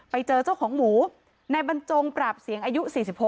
ไปเจอเจ้าของหมูในบรรจงปราบเสียงอายุ๔๖